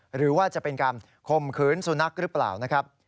หรือว่าจะเป็นการคมขืนสุนัขหรือเปล่านะครับ